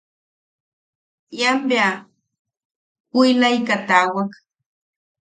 Ian bea puʼilaika taawak.